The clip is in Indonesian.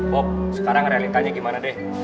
bok sekarang realitanya gimana deh